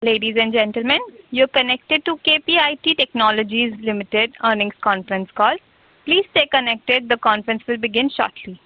Ladies and gentlemen, you're connected to KPIT Technologies Limited earnings conference call. Please stay connected, the conference will begin shortly.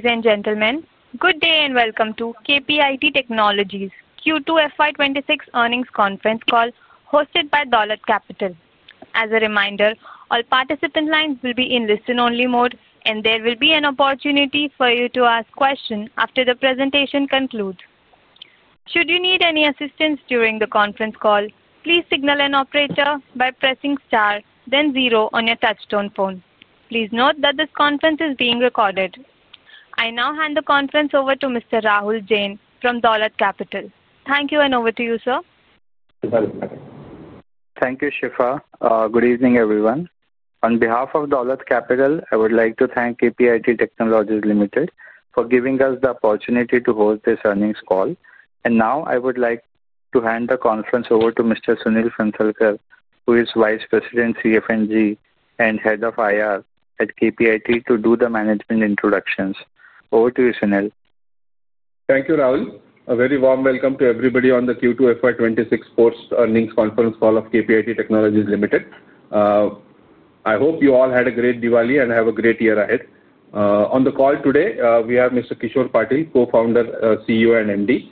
Ladies and gentlemen, good day and welcome to KPIT Technologies Q2 FY 2026 earnings conference call hosted by Dolat Capital. As a reminder, all participant lines will be in listen-only mode, and there will be an opportunity for you to ask questions after the presentation concludes. Should you need any assistance during the conference call, please signal an operator by pressing star, then zero on your touchstone phone. Please note that this conference is being recorded. I now hand the conference over to Mr. Rahul Jain from Dolat Capital. Thank you, and over to you, sir. Thank you, Shifa. Good evening, everyone. On behalf of Dolat Capital, I would like to thank KPIT Technologies Limited for giving us the opportunity to host this earnings call. I would like to hand the conference over to Mr. Sunil Phansalkar, who is Vice President, CFNG, and Head of IR at KPIT, to do the management introductions. Over to you, Sunil. Thank you, Rahul. A very warm welcome to everybody on the Q2 FY 2026 earnings conference call of KPIT Technologies Limited. I hope you all had a great Diwali and have a great year ahead. On the call today, we have Mr. Kishor Patil, Co-Founder, CEO, and MD.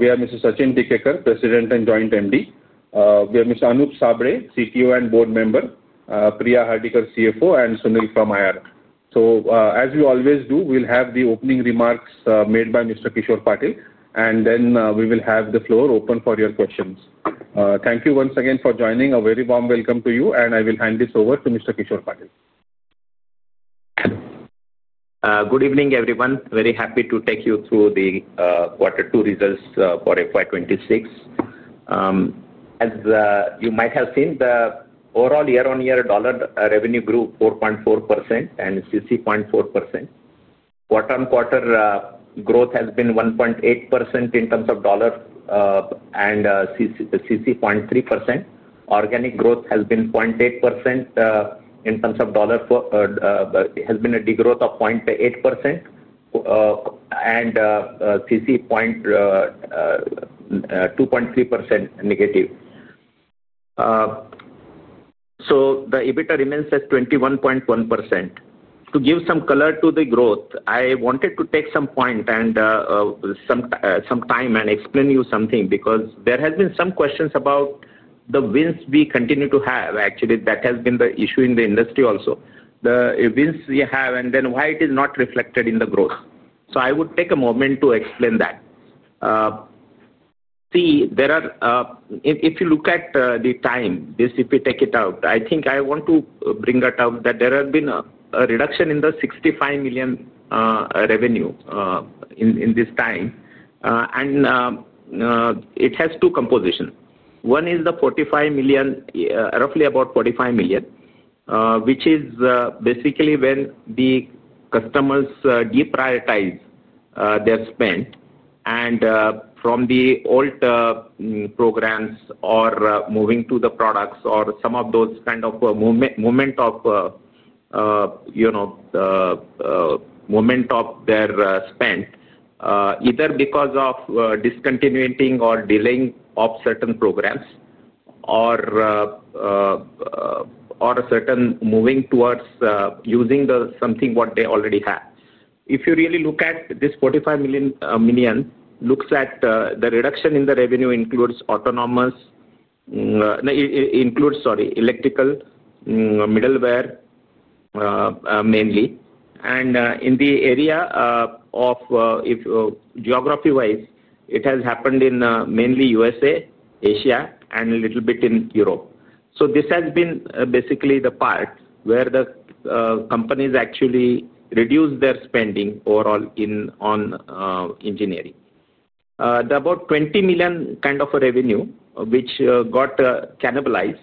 We have Mr. Sachin Tikekar, President and Joint MD. We have Mr. Anup Sable, CTO and Board Member, Priya Hardikar, CFO, and Sunil from IR. As we always do, we'll have the opening remarks made by Mr. Kishor Patil, and then we will have the floor open for your questions. Thank you once again for joining. A very warm welcome to you, and I will hand this over to Mr. Kishor Patil. Good evening, everyone. Very happy to take you through the Q2 results for FY 2026. As you might have seen, the overall year-on-year dollar revenue grew 4.4% and 60.4%. Quarter-on-quarter growth has been 1.8% in terms of dollar and 60.3%. Organic growth has been 0.8% in terms of dollar; it has been a degrowth of 0.8% and 60.23% negative. So the EBITDA remains at 21.1%. To give some color to the growth, I wanted to take some point and some time and explain to you something because there have been some questions about the wins we continue to have. Actually, that has been the issue in the industry also. The wins we have and then why it is not reflected in the growth. I would take a moment to explain that. See, if you look at the time, just if you take it out, I think I want to bring that out that there has been a reduction in the $65 million revenue in this time. And it has two compositions. One is the $45 million, roughly about $45 million, which is basically when the customers deprioritize their spend from the old programs or moving to the products or some of those kind of movement of their spend, either because of discontinuing or delaying of certain programs or a certain moving towards using something what they already have. If you really look at this $45 million, looks at the reduction in the revenue includes autonomous, sorry, electrical, middleware mainly. And in the area of geography-wise, it has happened in mainly USA, Asia, and a little bit in Europe. This has been basically the part where the companies actually reduce their spending overall on engineering. The about $20 million kind of revenue, which got cannibalized,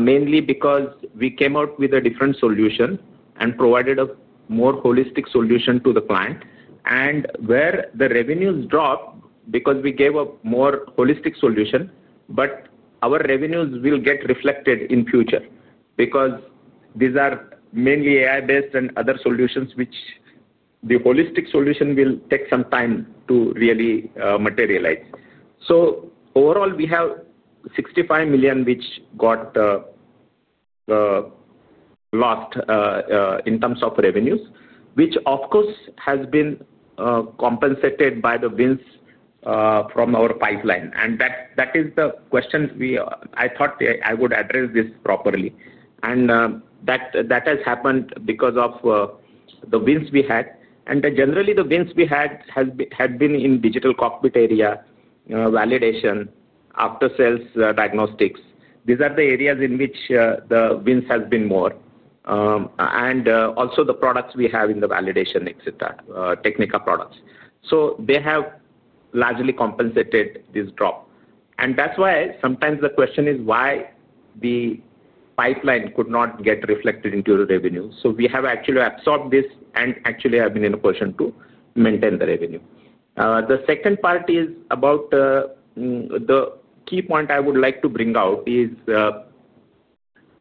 mainly because we came out with a different solution and provided a more holistic solution to the client. Where the revenues dropped because we gave a more holistic solution, our revenues will get reflected in future because these are mainly AI-based and other solutions, which the holistic solution will take some time to really materialize. Overall, we have $65 million which got lost in terms of revenues, which of course has been compensated by the wins from our pipeline. That is the question I thought I would address properly. That has happened because of the wins we had. Generally, the wins we had have been in digital cockpit area, validation, after-sales diagnostics. These are the areas in which the wins have been more. Also, the products we have in the validation, etc., technical products. They have largely compensated this drop. That is why sometimes the question is why the pipeline could not get reflected into the revenue. We have actually absorbed this and actually have been in a position to maintain the revenue. The second part is about the key point I would like to bring out is,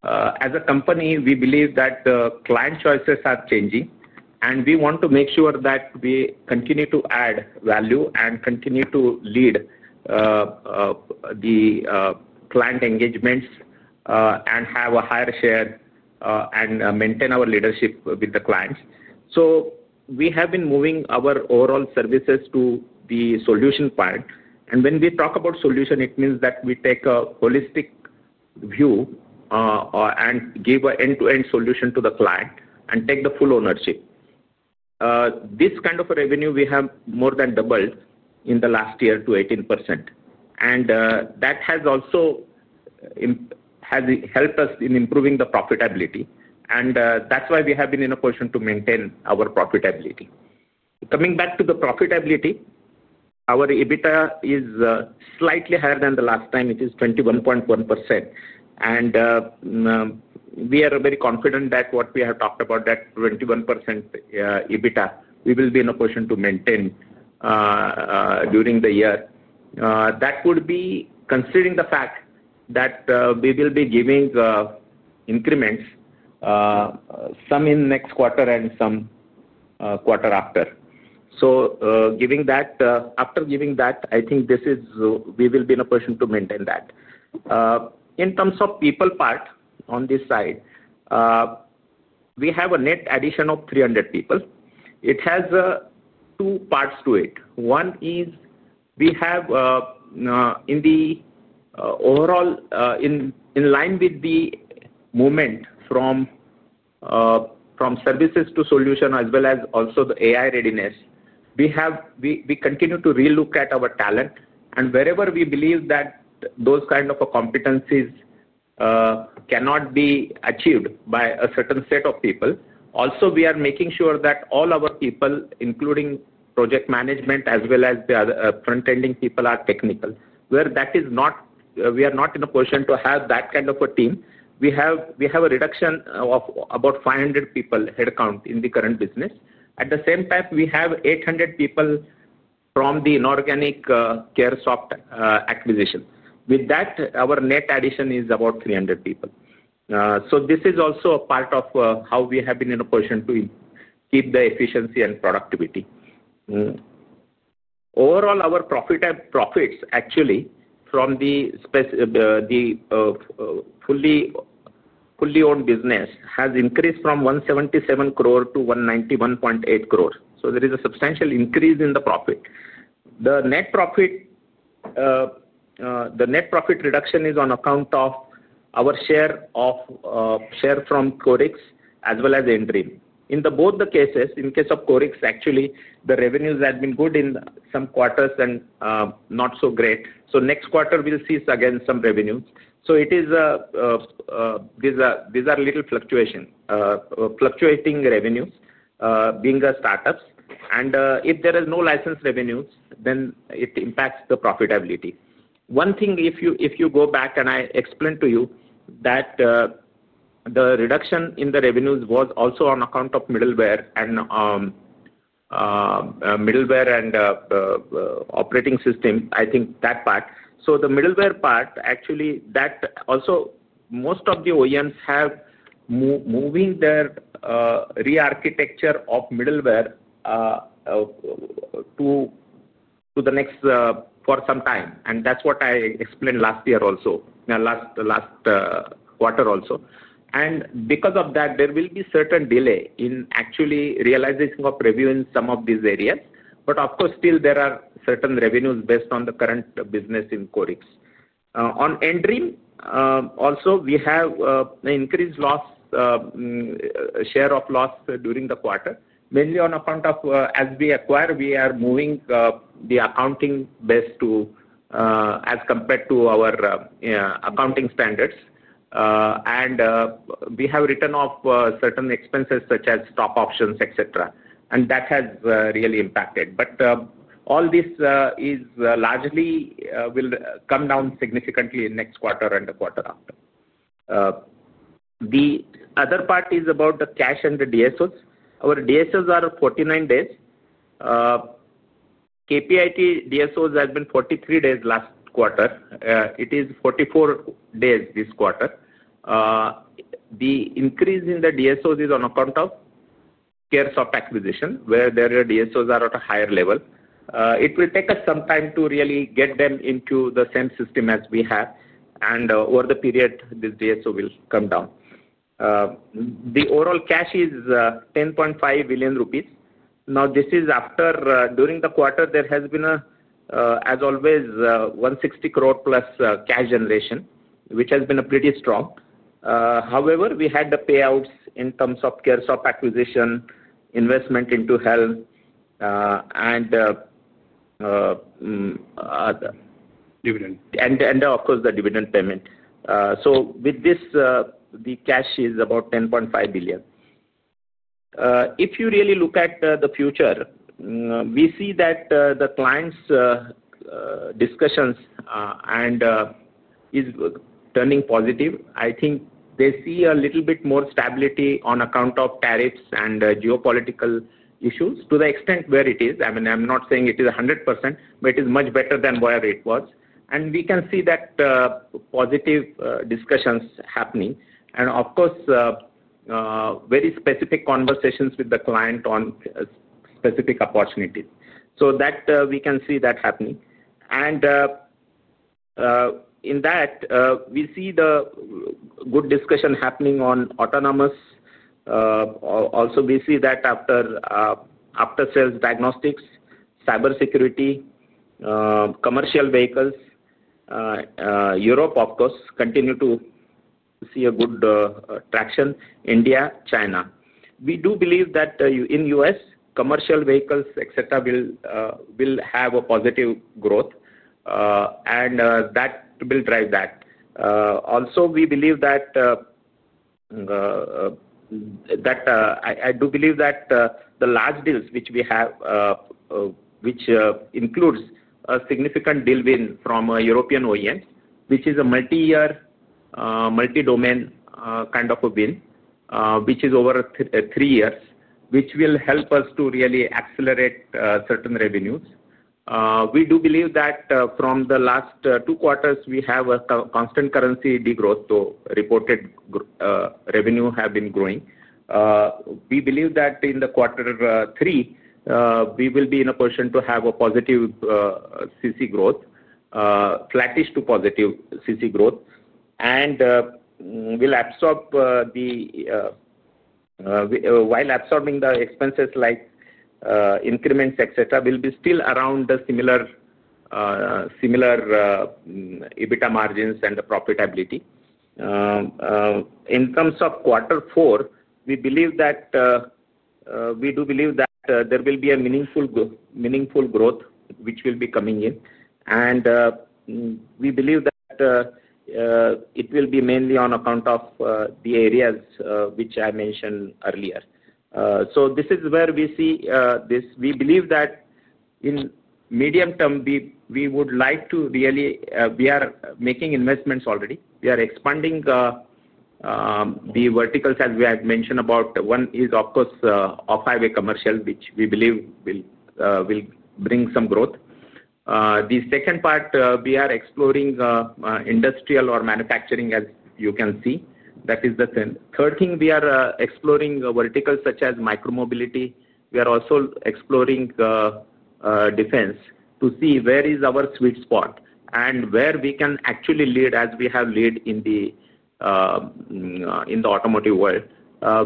as a company, we believe that the client choices are changing, and we want to make sure that we continue to add value and continue to lead the client engagements and have a higher share and maintain our leadership with the clients. We have been moving our overall services to the solution part. When we talk about solution, it means that we take a holistic view and give an end-to-end solution to the client and take the full ownership. This kind of revenue we have more than doubled in the last year to 18%. That has also helped us in improving the profitability. That is why we have been in a position to maintain our profitability. Coming back to the profitability, our EBITDA is slightly higher than the last time. It is 21.1%. We are very confident that what we have talked about, that 21% EBITDA, we will be in a position to maintain during the year. That would be considering the fact that we will be giving increments, some in next quarter and some quarter after. After giving that, I think we will be in a position to maintain that. In terms of people part on this side, we have a net addition of 300 people. It has two parts to it. One is we have in the overall, in line with the movement from services to solution as well as also the AI readiness, we continue to relook at our talent. And wherever we believe that those kind of competencies cannot be achieved by a certain set of people, also we are making sure that all our people, including project management as well as the front-ending people, are technical. Where that is not, we are not in a position to have that kind of a team. We have a reduction of about 500 people headcount in the current business. At the same time, we have 800 people from the inorganic Caresoft acquisition. With that, our net addition is about 300 people. This is also a part of how we have been in a position to keep the efficiency and productivity. Overall, our profits actually from the fully-owned business has increased from 177 crore to 191.8 crore. There is a substantial increase in the profit. The net profit reduction is on account of our share from Qorix as well as Embitron. In both the cases, in case of Qorix, actually, the revenues have been good in some quarters and not so great. Next quarter, we'll see again some revenues. These are little fluctuating revenues being a startup. If there are no license revenues, then it impacts the profitability. One thing, if you go back and I explain to you that the reduction in the revenues was also on account of middleware and operating system, I think that part. The middleware part, actually, that also most of the OEMs have moving their re-architecture of middleware to the next for some time. That is what I explained last year also, last quarter also. Because of that, there will be certain delay in actually realization of revenue in some of these areas. Of course, still, there are certain revenues based on the current business in Qorix. On Embitron, also, we have an increased share of loss during the quarter, mainly on account of as we acquire, we are moving the accounting best as compared to our accounting standards. We have written off certain expenses such as stock options, etc. That has really impacted. All this is largely will come down significantly in next quarter and the quarter after. The other part is about the cash and the DSOs. Our DSOs are 49 days. KPIT DSOs have been 43 days last quarter. It is 44 days this quarter. The increase in the DSOs is on account of Caresoft acquisition, where their DSOs are at a higher level. It will take us some time to really get them into the same system as we have. Over the period, this DSO will come down. The overall cash is 10.5 billion rupees. Now, this is after during the quarter, there has been, as always, 160 crore plus cash generation, which has been pretty strong. However, we had the payouts in terms of Caresoft acquisition, investment into health, and. Dividend. Of course, the dividend payment. With this, the cash is about 10.5 billion. If you really look at the future, we see that the client's discussions are turning positive. I think they see a little bit more stability on account of tariffs and geopolitical issues to the extent where it is. I mean, I'm not saying it is 100%, but it is much better than where it was. We can see that positive discussions happening. Very specific conversations with the client on specific opportunities. We can see that happening. In that, we see the good discussion happening on autonomous. Also, we see that after-sales diagnostics, cybersecurity, commercial vehicles. Europe, of course, continues to see good traction. India, China. We do believe that in the U.S., commercial vehicles, etc., will have a positive growth. That will drive that. Also, we believe that I do believe that the large deals which we have, which includes a significant deal win from a European OEM, which is a multi-year, multi-domain kind of a win, which is over three years, which will help us to really accelerate certain revenues. We do believe that from the last two quarters, we have a constant currency degrowth. Reported revenue has been growing. We believe that in the quarter three, we will be in a position to have a positive CC growth, flattish to positive CC growth. While absorbing the expenses like increments, etc., we will be still around the similar EBITDA margins and the profitability. In terms of quarter four, we believe that we do believe that there will be a meaningful growth, which will be coming in. We believe that it will be mainly on account of the areas which I mentioned earlier. This is where we see this. We believe that in the medium term, we would like to really be making investments already. We are expanding the verticals as we have mentioned about. One is, of course, off-highway commercial, which we believe will bring some growth. The second part, we are exploring industrial or manufacturing, as you can see. That is the third thing. We are exploring verticals such as micromobility. We are also exploring defense to see where is our sweet spot and where we can actually lead as we have led in the automotive world.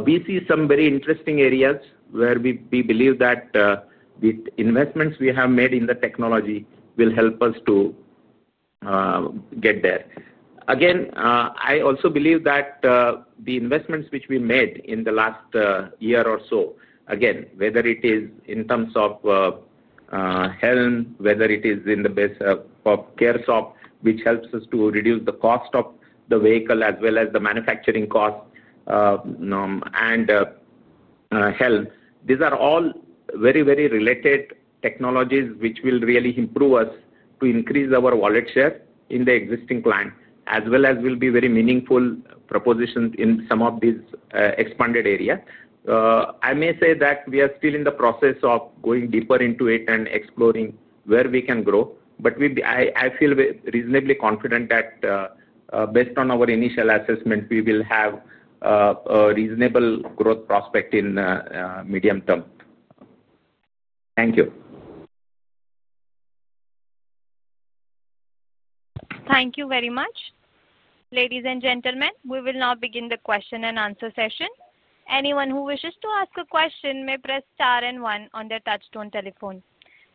We see some very interesting areas where we believe that the investments we have made in the technology will help us to get there. Again, I also believe that the investments which we made in the last year or so, again, whether it is in terms of health, whether it is in the base of Caresoft which helps us to reduce the cost of the vehicle as well as the manufacturing cost and health, these are all very, very related technologies which will really improve us to increase our wallet share in the existing client, as well as will be very meaningful propositions in some of these expanded areas. I may say that we are still in the process of going deeper into it and exploring where we can grow. I feel reasonably confident that based on our initial assessment, we will have a reasonable growth prospect in medium term. Thank you. Thank you very much. Ladies and gentlemen, we will now begin the question and answer session. Anyone who wishes to ask a question may press star and one on their touchstone telephone.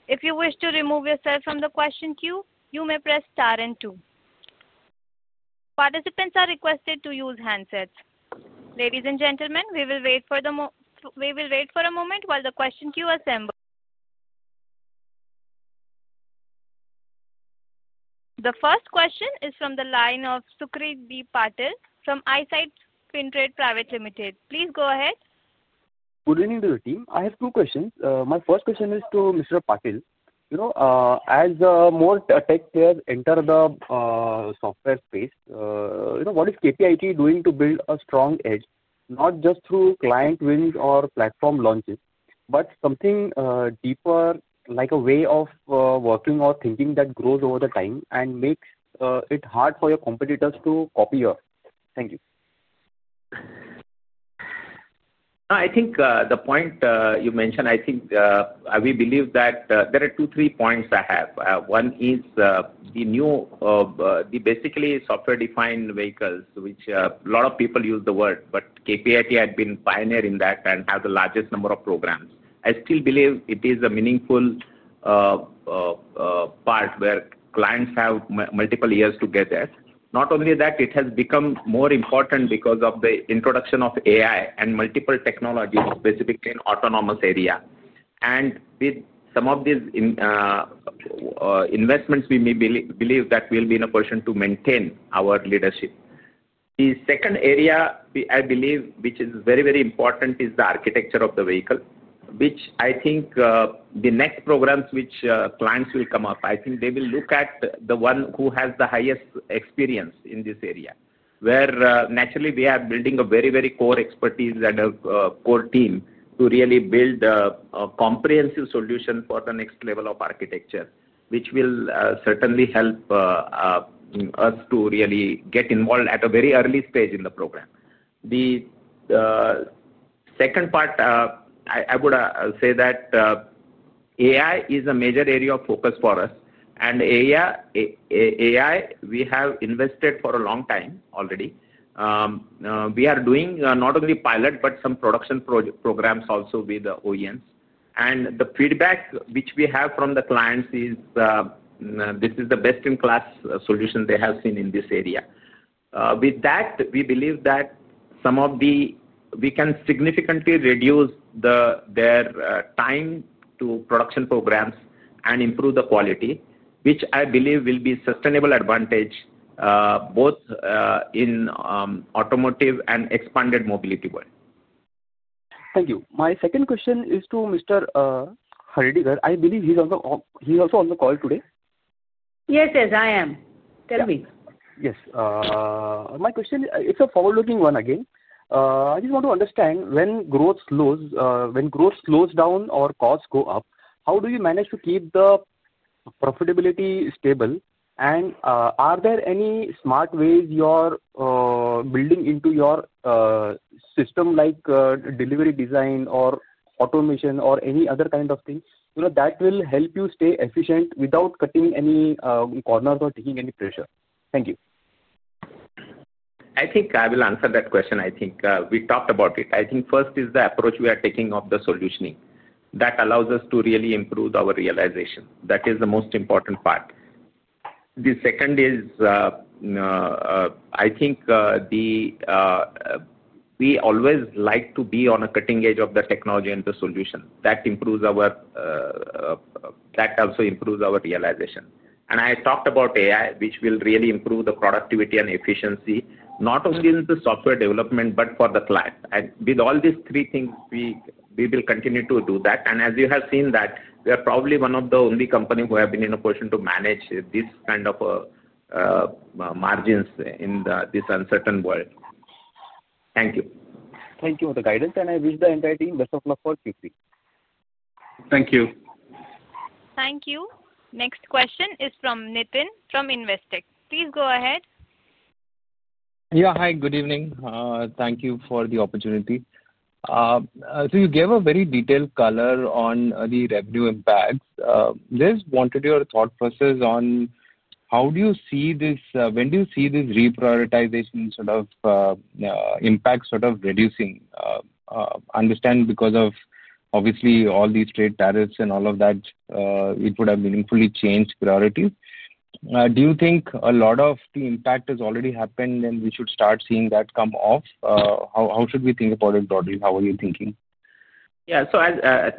If you wish to remove yourself from the question queue, you may press star and two. Participants are requested to use handsets. Ladies and gentlemen, we will wait for a moment while the question queue assembles. The first question is from the line of Sucrit B. Patil from Eyesight Fintrade. Please go ahead. Good evening to the team. I have two questions. My first question is to Mr. Patil. As more tech players enter the software space, what is KPIT doing to build a strong edge, not just through client wins or platform launches, but something deeper, like a way of working or thinking that grows over the time and makes it hard for your competitors to copy you? Thank you. I think the point you mentioned, I think we believe that there are two, three points I have. One is the new, basically software-defined vehicles, which a lot of people use the word, but KPIT had been pioneering that and has the largest number of programs. I still believe it is a meaningful part where clients have multiple years to get there. Not only that, it has become more important because of the introduction of AI and multiple technologies, specifically in autonomous area. With some of these investments, we may believe that we'll be in a position to maintain our leadership. The second area I believe, which is very, very important, is the architecture of the vehicle, which I think the next programs which clients will come up, I think they will look at the one who has the highest experience in this area, where naturally we are building a very, very core expertise and a core team to really build a comprehensive solution for the next level of architecture, which will certainly help us to really get involved at a very early stage in the program. The second part, I would say that AI is a major area of focus for us. AI, we have invested for a long time already. We are doing not only pilot, but some production programs also with the OEMs. The feedback which we have from the clients is this is the best-in-class solution they have seen in this area. With that, we believe that we can significantly reduce their time to production programs and improve the quality, which I believe will be a sustainable advantage both in automotive and expanded mobility world. Thank you. My second question is to Ms. Hardikar. I believe she's also on the call today. Yes, yes, I am. Tell me. Yes. My question is, it's a forward-looking one again. I just want to understand when growth slows down or costs go up, how do you manage to keep the profitability stable? Are there any smart ways you're building into your system, like delivery design or automation or any other kind of thing that will help you stay efficient without cutting any corners or taking any pressure? Thank you. I think I will answer that question. I think we talked about it. I think first is the approach we are taking of the solutioning that allows us to really improve our realization. That is the most important part. The second is, I think we always like to be on a cutting edge of the technology and the solution. That also improves our realization. I talked about AI, which will really improve the productivity and efficiency, not only in the software development, but for the client. With all these three things, we will continue to do that. As you have seen, we are probably one of the only companies who have been in a position to manage this kind of margins in this uncertain world. Thank you. Thank you for the guidance. I wish the entire team best of luck for Q3. Thank you. Thank you. Next question is from Nitin from Investec. Please go ahead. Yeah, hi, good evening. Thank you for the opportunity. You gave a very detailed color on the revenue impacts. Just wanted your thought process on how do you see this, when do you see this reprioritization sort of impact reducing? I understand because of obviously all these trade tariffs and all of that, it would have meaningfully changed priorities. Do you think a lot of the impact has already happened and we should start seeing that come off? How should we think about it broadly? How are you thinking? Yeah. So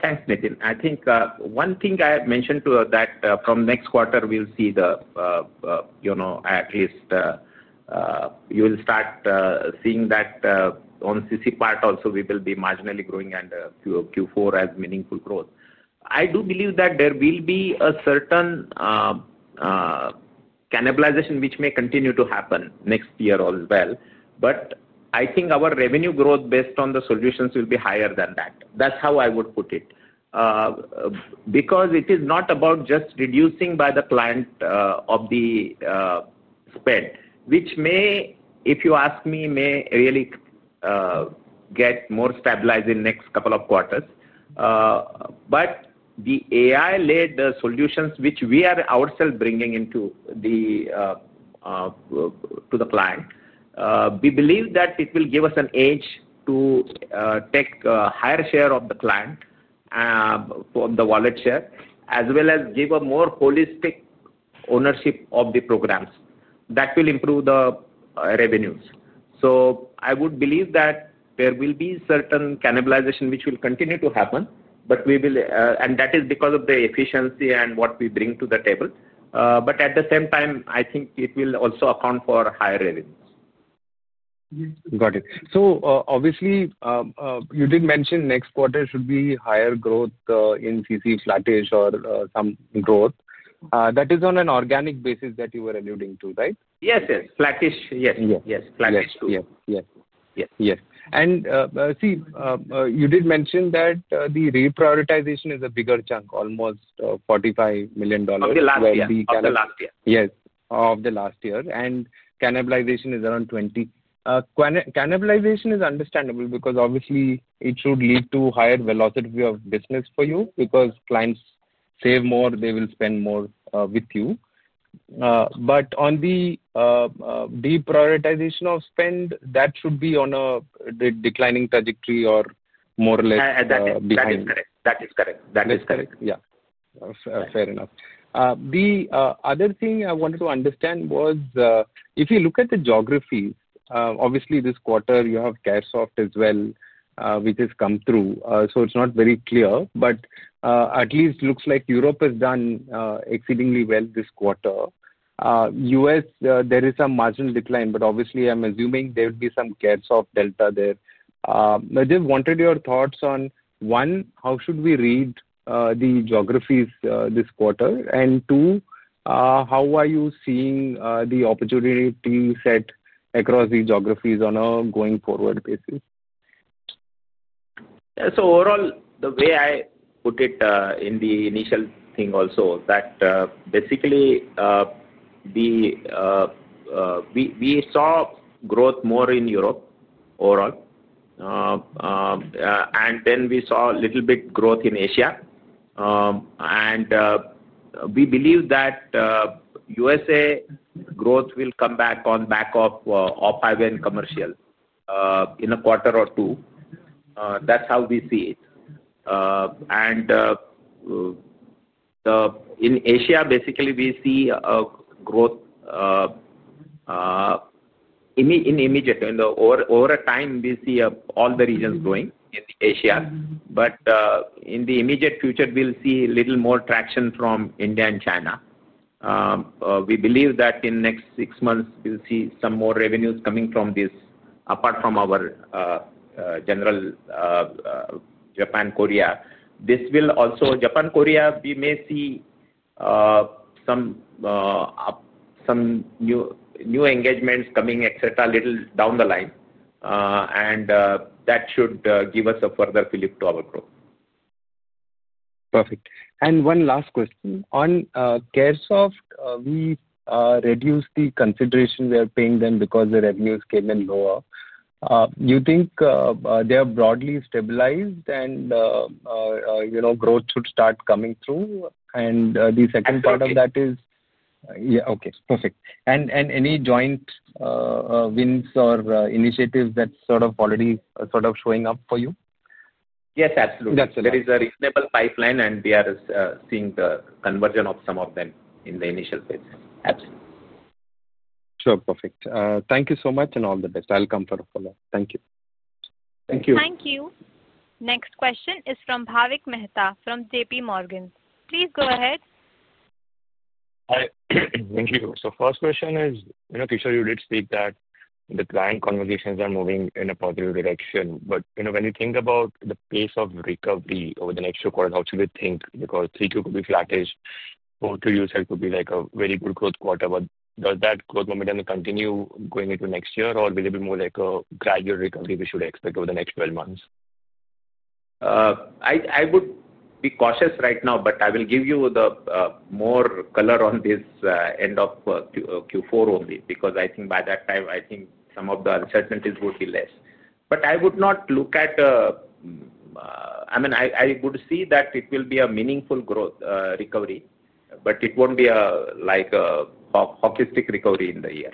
thanks, Nitin. I think one thing I mentioned too that from next quarter, we'll see the at least you will start seeing that on CC part also, we will be marginally growing and Q4 has meaningful growth. I do believe that there will be a certain cannibalization which may continue to happen next year as well. I think our revenue growth based on the solutions will be higher than that. That's how I would put it. Because it is not about just reducing by the client of the spend, which may, if you ask me, may really get more stabilized in the next couple of quarters. The AI-led solutions, which we are ourselves bringing into the client, we believe that it will give us an edge to take a higher share of the client for the wallet share, as well as give a more holistic ownership of the programs. That will improve the revenues. I would believe that there will be certain cannibalization which will continue to happen, but we will, and that is because of the efficiency and what we bring to the table. At the same time, I think it will also account for higher revenues. Got it. So obviously, you did mention next quarter should be higher growth in CC, flattish, or some growth. That is on an organic basis that you were alluding to, right? Yes, yes. Flattish, yes. Yes, flattish too. Yes, yes, yes. You did mention that the reprioritization is a bigger chunk, almost $45 million. Of the last year. Yes, of the last year. Cannibalization is around 20%. Cannibalization is understandable because obviously it should lead to higher velocity of business for you because clients save more, they will spend more with you. On the deprioritization of spend, that should be on a declining trajectory or more or less declining. That is correct. That is correct. Yeah. Fair enough. The other thing I wanted to understand was if you look at the geographies, obviously this quarter you have Caresoft as well, which has come through. So it is not very clear, but at least looks like Europe has done exceedingly well this quarter. US, there is some marginal decline, but obviously I am assuming there would be some Caresoft delta there. I just wanted your thoughts on one, how should we read the geographies this quarter? And two, how are you seeing the opportunity set across the geographies on a going forward basis? Overall, the way I put it in the initial thing also that basically we saw growth more in Europe overall. Then we saw a little bit growth in Asia. We believe that USA growth will come back on back of off-highway and commercial in a quarter or two. That's how we see it. In Asia, basically we see growth in immediate over time. We see all the regions growing in Asia. In the immediate future, we'll see a little more traction from India and China. We believe that in the next six months, we'll see some more revenues coming from this, apart from our general Japan, Korea. Japan, Korea, we may see some new engagements coming, etc., a little down the line. That should give us a further fuel to our growth. Perfect. One last question. On Caresoft, we reduced the consideration we are paying them because the revenues came in lower. You think they are broadly stabilized and growth should start coming through? The second part of that is. Yes. Yeah. Okay. Perfect. Any joint wins or initiatives that's sort of already sort of showing up for you? Yes, absolutely. There is a reasonable pipeline and we are seeing the conversion of some of them in the initial phase. Absolutely. Sure. Perfect. Thank you so much and all the best. I'll come for a follow-up. Thank you. Thank you. Thank you. Next question is from Bhavik Mehta from JPMorgan. Please go ahead. Thank you. So first question is, Kishor, you did speak that the client conversations are moving in a positive direction. But when you think about the pace of recovery over the next two quarters, how should we think? Because Q2 could be flattish, Q2 USA could be like a very good growth quarter. But does that growth momentum continue going into next year or will it be more like a gradual recovery we should expect over the next 12 months? I would be cautious right now, but I will give you more color on this end of Q4 only because I think by that time, I think some of the uncertainties would be less. I would not look at, I mean, I would see that it will be a meaningful growth recovery, but it will not be like a hockey stick recovery in the year.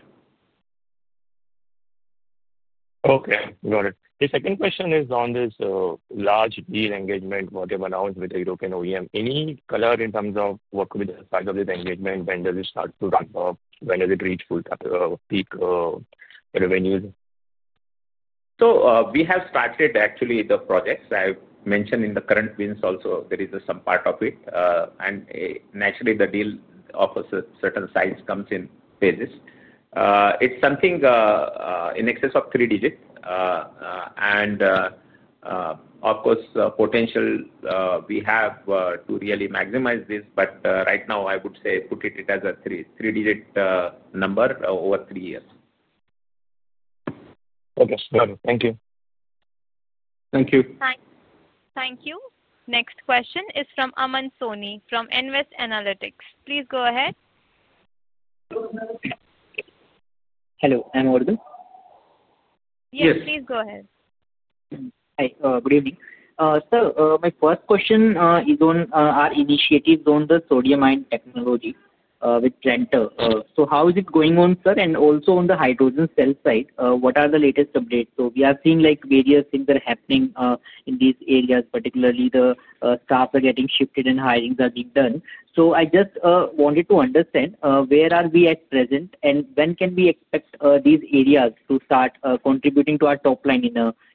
Okay. Got it. The second question is on this large deal engagement, what you have announced with the European OEM. Any color in terms of what could be the size of this engagement? When does it start to run? When does it reach full peak revenues? We have started actually the projects. I have mentioned in the current wins also, there is some part of it. Naturally, the deal of a certain size comes in phases. It is something in excess of three digits. Of course, potential we have to really maximize this, but right now, I would say put it as a three-digit number over three years. Okay. Got it. Thank you. Thank you. Thank you. Next question is from Aman Soni from Nvest Analytics. Please go ahead. Hello. I'm I audible? Yes, please go ahead. Hi. Good evening. Sir, my first question is on our initiatives on the sodium ion technology with Trentar Energy. How is it going on, sir? Also, on the hydrogen cell side, what are the latest updates? We are seeing various things that are happening in these areas, particularly the staff are getting shifted and hirings are being done. I just wanted to understand where are we at present and when can we expect these areas to start contributing to our top line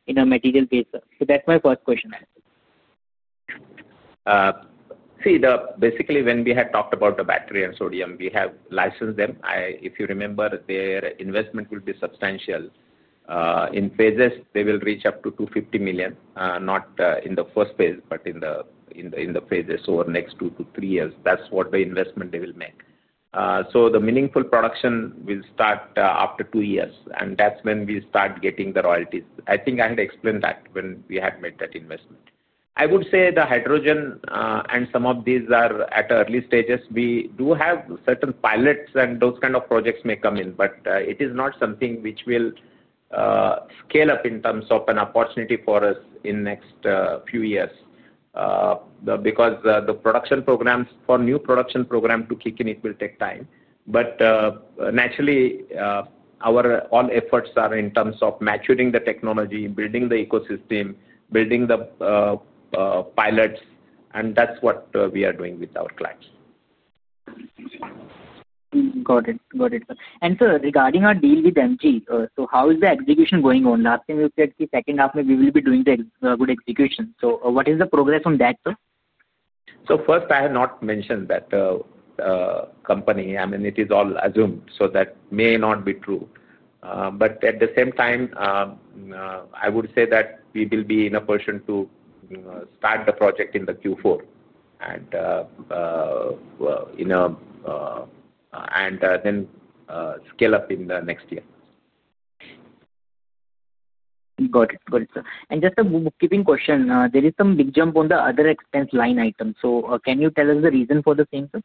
in a material basis? That is my first question. See, basically when we had talked about the battery and sodium, we have licensed them. If you remember, their investment will be substantial. In phases, they will reach up to $250 million, not in the first phase, but in the phases over the next 2-3 years. That is what the investment they will make. The meaningful production will start after two years, and that is when we start getting the royalties. I think I had explained that when we had made that investment. I would say the hydrogen and some of these are at early stages. We do have certain pilots and those kind of projects may come in, but it is not something which will scale up in terms of an opportunity for us in the next few years because the production programs for new production programs to kick in, it will take time. Naturally, our all efforts are in terms of maturing the technology, building the ecosystem, building the pilots, and that's what we are doing with our clients. Got it. Got it. And sir, regarding our deal with MG, how is the execution going on? Last time you said the second half, we will be doing the good execution. What is the progress on that, sir? First, I have not mentioned that the company, I mean, it is all assumed, so that may not be true. At the same time, I would say that we will be in a position to start the project in Q4 and then scale up in the next year. Got it. Got it, sir. Just a bookkeeping question. There is some big jump on the other expense line items. Can you tell us the reason for the same, sir?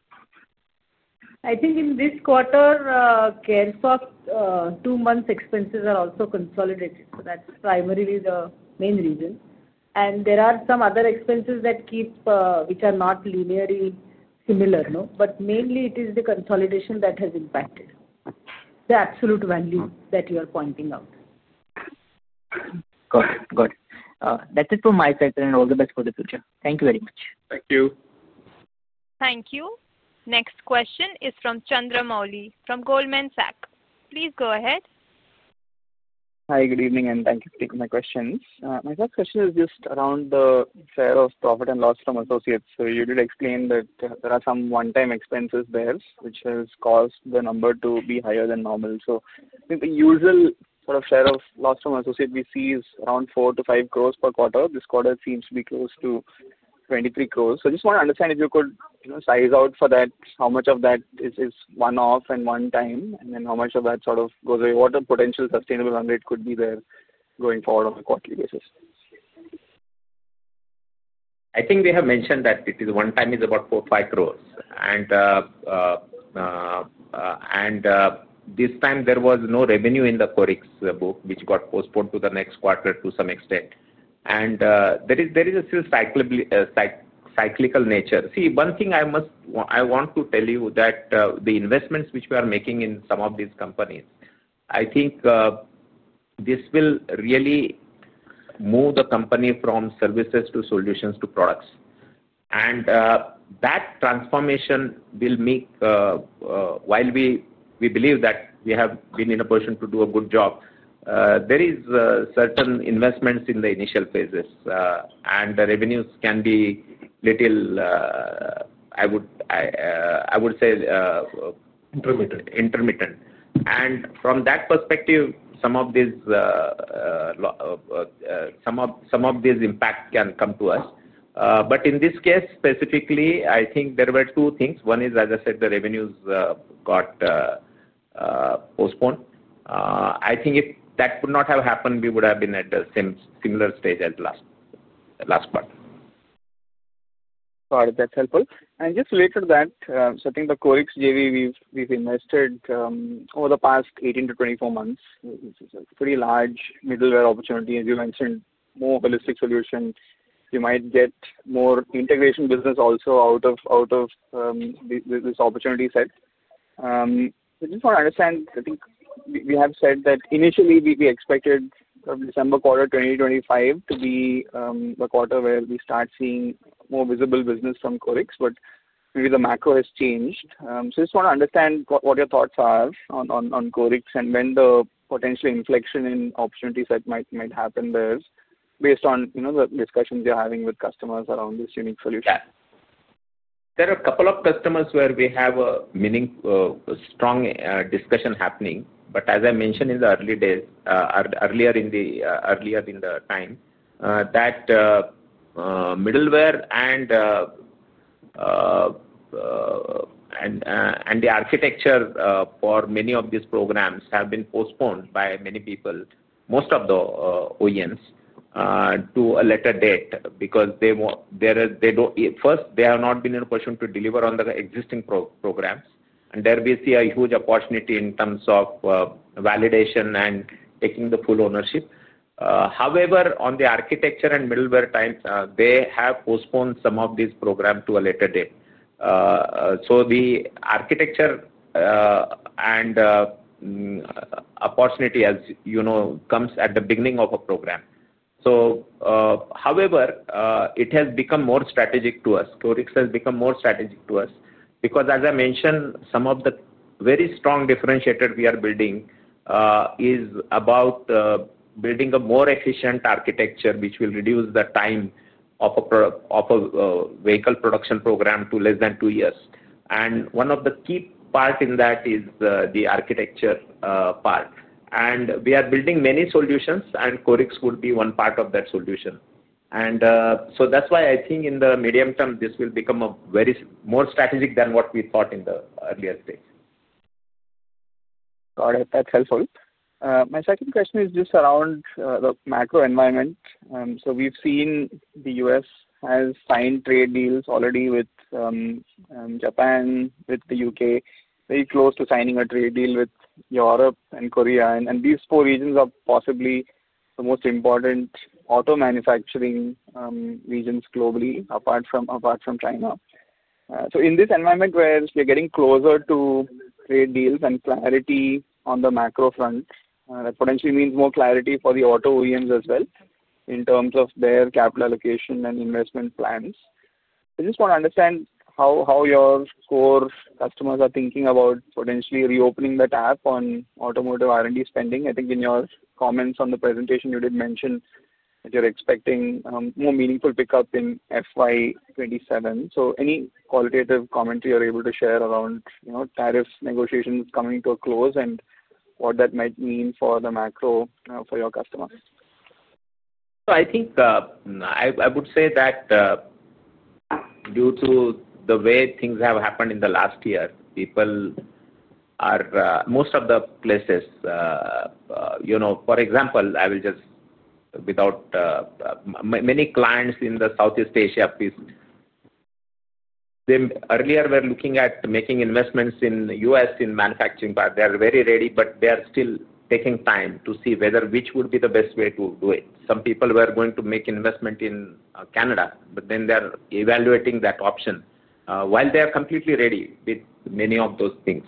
I think in this quarter, Caresoft two months expenses are also consolidated. That is primarily the main reason. There are some other expenses that keep, which are not linearly similar, but mainly it is the consolidation that has impacted the absolute value that you are pointing out. Got it. Got it. That's it from my side and all the best for the future. Thank you very much. Thank you. Thank you. Next question is from Chandramouli from Goldman Sachs. Please go ahead. Hi, good evening, and thank you for taking my questions. My first question is just around the share of profit and loss from associates. You did explain that there are some one-time expenses there, which has caused the number to be higher than normal. The usual sort of share of loss from associate we see is around 4 crore-5 crore per quarter. This quarter seems to be close to 23 crore. I just want to understand if you could size out for that, how much of that is one-off and one time, and then how much of that sort of goes away? What are the potential sustainable run rate could be there going forward on a quarterly basis? I think they have mentioned that it is one time is about four to five growth. This time, there was no revenue in the Qorix book, which got postponed to the next quarter to some extent. There is a cyclical nature. See, one thing I want to tell you is that the investments which we are making in some of these companies, I think this will really move the company from services to solutions to products. That transformation will make, while we believe that we have been in a position to do a good job, there are certain investments in the initial phases, and the revenues can be little, I would say. Intermittent. Intermittent. From that perspective, some of these impacts can come to us. In this case, specifically, I think there were two things. One is, as I said, the revenues got postponed. I think if that would not have happened, we would have been at the similar stage as last quarter. Got it. That's helpful. Just related to that, I think the Qorix JV we've invested over the past 18-24 months, which is a pretty large middleware opportunity, as you mentioned, more ballistic solutions. You might get more integration business also out of this opportunity set. I just want to understand, I think we have said that initially we expected December quarter 2025 to be the quarter where we start seeing more visible business from Qorix, but maybe the macro has changed. I just want to understand what your thoughts are on Qorix and when the potential inflection in opportunity set might happen there based on the discussions you're having with customers around this unique solution. There are a couple of customers where we have a strong discussion happening. As I mentioned earlier in the time, middleware and the architecture for many of these programs have been postponed by many people, most of the OEMs, to a later date because they do not first, they have not been in a position to deliver on the existing programs. There we see a huge opportunity in terms of validation and taking the full ownership. However, on the architecture and middleware time, they have postponed some of these programs to a later date. The architecture and opportunity, as you know, comes at the beginning of a program. However, it has become more strategic to us. Qorix has become more strategic to us because, as I mentioned, some of the very strong differentiators we are building is about building a more efficient architecture, which will reduce the time of a vehicle production program to less than two years. One of the key parts in that is the architecture part. We are building many solutions, and Qorix would be one part of that solution. That is why I think in the medium term, this will become more strategic than what we thought in the earlier stage. Got it. That's helpful. My second question is just around the macro environment. We've seen the U.S. has signed trade deals already with Japan, with the U.K., very close to signing a trade deal with Europe and Korea. These four regions are possibly the most important auto manufacturing regions globally, apart from China. In this environment where you're getting closer to trade deals and clarity on the macro front, that potentially means more clarity for the auto OEMs as well in terms of their capital allocation and investment plans. I just want to understand how your core customers are thinking about potentially reopening that app on automotive R&D spending. I think in your comments on the presentation, you did mention that you're expecting more meaningful pickup in FY 2027. Any qualitative commentary you're able to share around tariffs negotiations coming to a close and what that might mean for the macro for your customers? I think I would say that due to the way things have happened in the last year, people are most of the places, for example, I will just without many clients in the Southeast Asia piece. Earlier, we were looking at making investments in the U.S. in manufacturing part. They are very ready, but they are still taking time to see whether which would be the best way to do it. Some people were going to make investment in Canada, but then they are evaluating that option while they are completely ready with many of those things.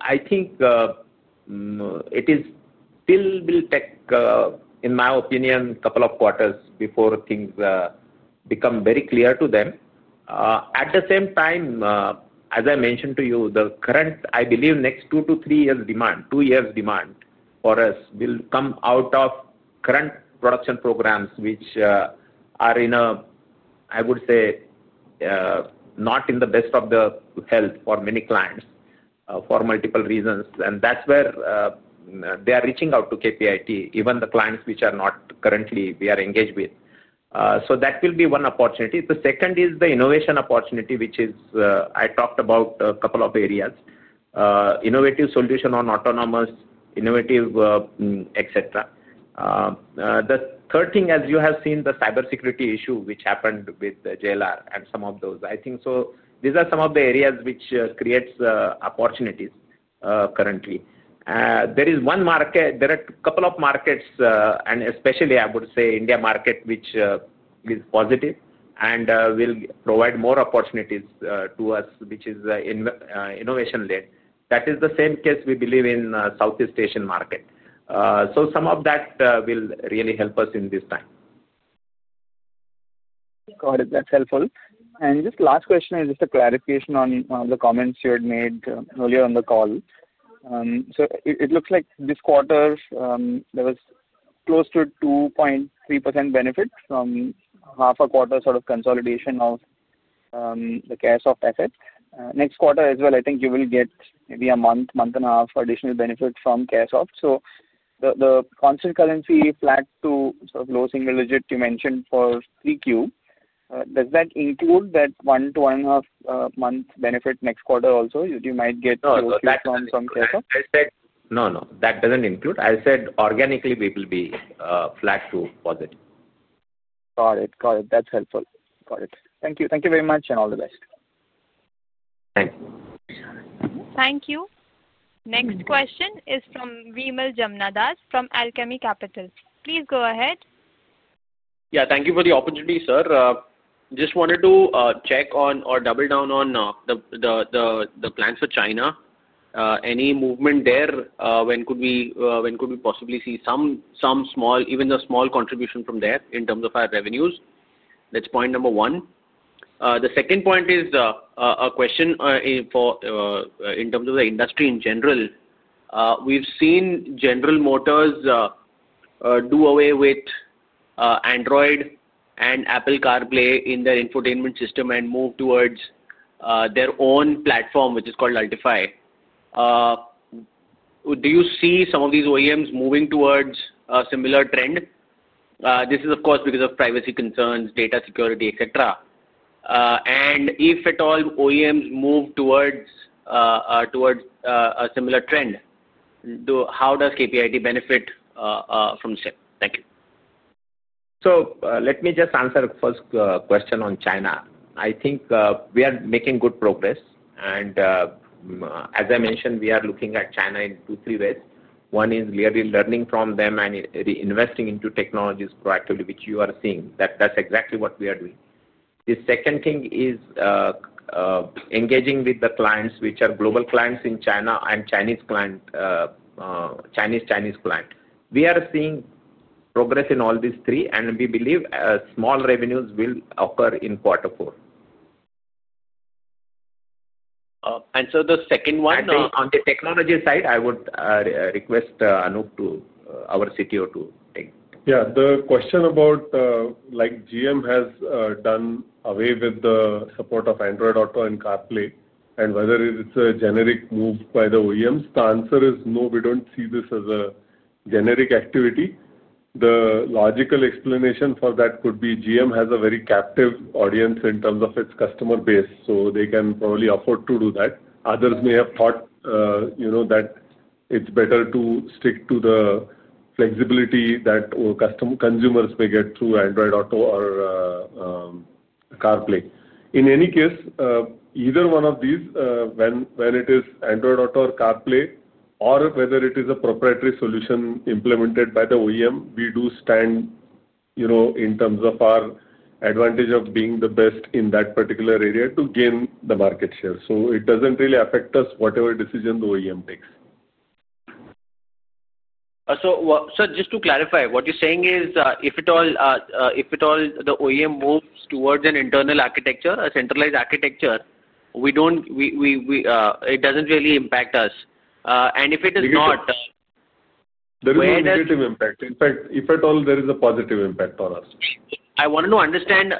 I think it still will take, in my opinion, a couple of quarters before things become very clear to them. At the same time, as I mentioned to you, the current, I believe, next 2-3 years' demand, two years' demand for us will come out of current production programs, which are in a, I would say, not in the best of the health for many clients for multiple reasons. That is where they are reaching out to KPIT, even the clients which are not currently we are engaged with. That will be one opportunity. The second is the innovation opportunity, which is I talked about a couple of areas: innovative solution on autonomous, innovative, etc. The third thing, as you have seen, the cybersecurity issue which happened with JLR and some of those. I think these are some of the areas which create opportunities currently. There is one market, there are a couple of markets, and especially I would say India market, which is positive and will provide more opportunities to us, which is innovation-led. That is the same case we believe in Southeast Asian market. Some of that will really help us in this time. Got it. That's helpful. Just last question is just a clarification on one of the comments you had made earlier on the call. It looks like this quarter, there was close to 2.3% benefit from half a quarter sort of consolidation of the Caresoft assets. Next quarter as well, I think you will get maybe a month, month and a half additional benefit from Caresoft. The constant currency flat to sort of low single digit you mentioned for 3Q, does that include that one to one and a half month benefit next quarter also? You might get closer from Caresoft. No, no. That does not include. I said organically we will be flat to positive. Got it. That's helpful. Thank you very much and all the best. Thanks. Thank you. Next question is from Vimal Gohil from Alchemy Capital. Please go ahead. Yeah. Thank you for the opportunity, sir. Just wanted to check on or double down on the plans for China. Any movement there? When could we possibly see some small, even a small contribution from there in terms of our revenues? That's point number one. The second point is a question in terms of the industry in general. We've seen General Motors do away with Android and Apple CarPlay in their infotainment system and move towards their own platform, which is called Altify. Do you see some of these OEMs moving towards a similar trend? This is, of course, because of privacy concerns, data security, etc. If at all OEMs move towards a similar trend, how does KPIT benefit from the same? Thank you. Let me just answer the first question on China. I think we are making good progress. As I mentioned, we are looking at China in two or three ways. One is really learning from them and investing into technologies proactively, which you are seeing. That's exactly what we are doing. The second thing is engaging with the clients, which are global clients in China and Chinese clients. We are seeing progress in all these three, and we believe small revenues will occur in quarter four. The second one. On the technology side, I would request Anup, our CTO, to take. Yeah. The question about GM has done away with the support of Android Auto and CarPlay and whether it's a generic move by the OEMs, the answer is no, we don't see this as a generic activity. The logical explanation for that could be GM has a very captive audience in terms of its customer base, so they can probably afford to do that. Others may have thought that it's better to stick to the flexibility that consumers may get through Android Auto or CarPlay. In any case, either one of these, when it is Android Auto or CarPlay, or whether it is a proprietary solution implemented by the OEM, we do stand in terms of our advantage of being the best in that particular area to gain the market share. It doesn't really affect us whatever decision the OEM takes. Just to clarify, what you're saying is if at all the OEM moves towards an internal architecture, a centralized architecture, it doesn't really impact us. And if it is not. There is a negative impact. In fact, if at all, there is a positive impact on us. I wanted to understand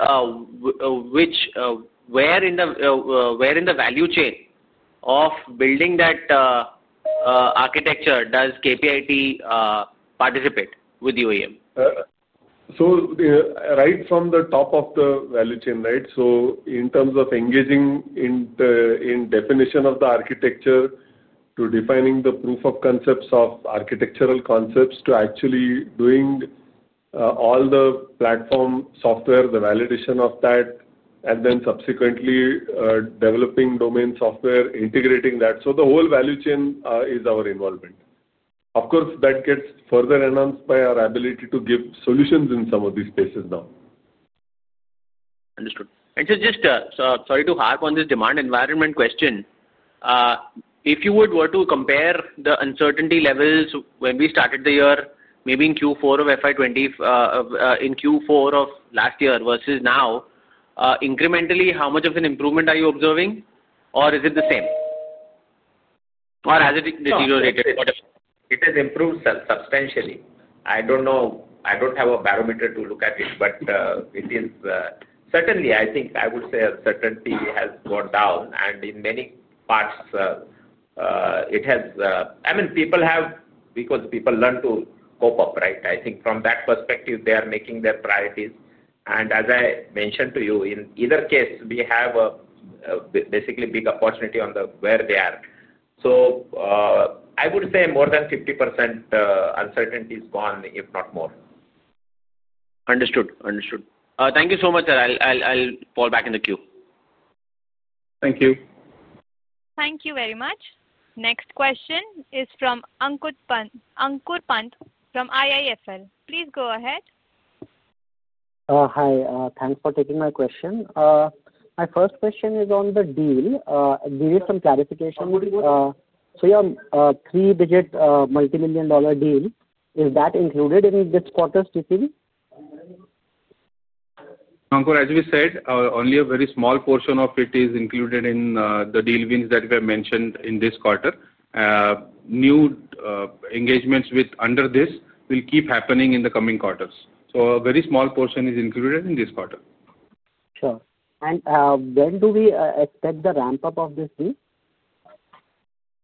where in the value chain of building that architecture does KPIT participate with the OEM? Right from the top of the value chain, right? In terms of engaging in definition of the architecture to defining the proof of concepts of architectural concepts to actually doing all the platform software, the validation of that, and then subsequently developing domain software, integrating that. The whole value chain is our involvement. Of course, that gets further enhanced by our ability to give solutions in some of these spaces now. Understood. Sorry to harp on this demand environment question. If you would were to compare the uncertainty levels when we started the year, maybe in Q4 of FY 2020, in Q4 of last year versus now, incrementally, how much of an improvement are you observing, or is it the same? Or has it deteriorated? It has improved substantially. I do not have a barometer to look at it, but it is certainly, I think I would say a certainty has gone down. In many parts, it has, I mean, people have, because people learn to cope up, right? I think from that perspective, they are making their priorities. As I mentioned to you, in either case, we have basically big opportunity on where they are. I would say more than 50% uncertainty is gone, if not more. Understood. Thank you so much, sir. I'll fall back in the queue. Thank you. Thank you very much. Next question is from Ankur Pant from IIFL. Please go ahead. Hi. Thanks for taking my question. My first question is on the deal. Do you need some clarification? Yeah, three-digit multi-million dollar deal. Is that included in this quarter's ticketing? Ankur, as we said, only a very small portion of it is included in the deal wins that we have mentioned in this quarter. New engagements under this will keep happening in the coming quarters. So a very small portion is included in this quarter. Sure. When do we expect the ramp-up of this deal?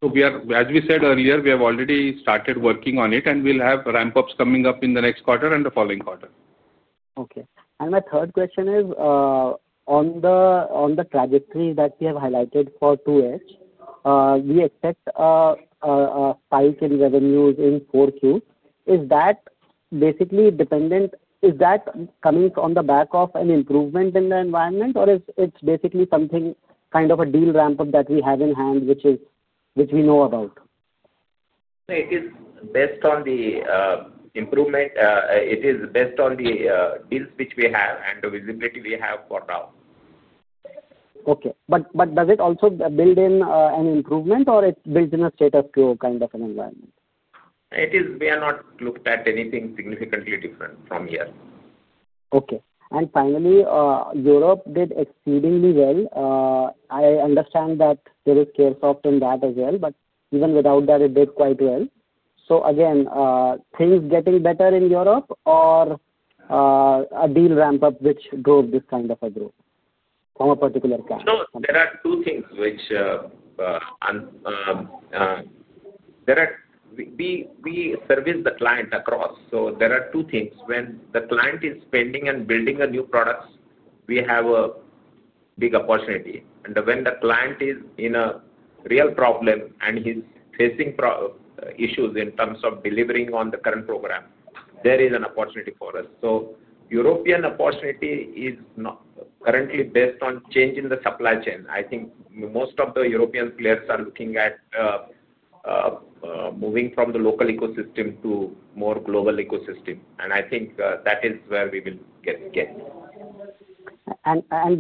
As we said earlier, we have already started working on it, and we'll have ramp-ups coming up in the next quarter and the following quarter. Okay. My third question is on the trajectory that we have highlighted for 2H. We expect a spike in revenues in Q4. Is that basically dependent? Is that coming on the back of an improvement in the environment, or it's basically something kind of a deal ramp-up that we have in hand, which we know about? It is based on the improvement. It is based on the deals which we have and the visibility we have for now. Okay. Does it also build in an improvement, or it's built in a status quo kind of an environment? We have not looked at anything significantly different from here. Okay. And finally, Europe did exceedingly well. I understand that there is Caresoft in that as well, but even without that, it did quite well. Again, things getting better in Europe, or a deal ramp-up which drove this kind of a growth from a particular client? There are two things which we service the client across. There are two things. When the client is spending and building a new product, we have a big opportunity. When the client is in a real problem and he is facing issues in terms of delivering on the current program, there is an opportunity for us. European opportunity is currently based on changing the supply chain. I think most of the European players are looking at moving from the local ecosystem to more global ecosystem. I think that is where we will get.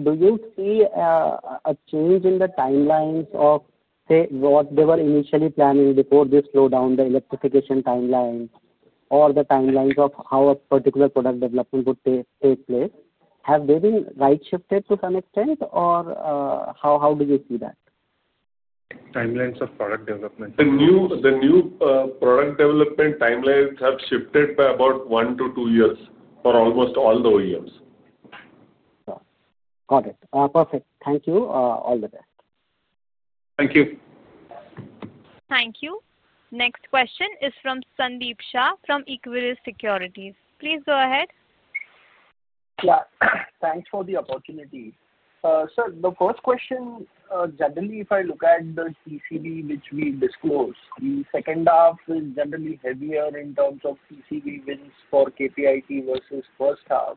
Do you see a change in the timelines of, say, what they were initially planning before this slowdown, the electrification timeline, or the timelines of how a particular product development would take place? Have they been right-shifted to some extent, or how do you see that? Timelines of product development. The new product development timelines have shifted by about one to two years for almost all the OEMs. Got it. Perfect. Thank you. All the best. Thank you. Thank you. Next question is from Sandeep Shah from Equirus Securities. Please go ahead. Yeah. Thanks for the opportunity. Sir, the first question, generally, if I look at the TCV which we disclosed, the second half is generally heavier in terms of TCV wins for KPIT versus first half.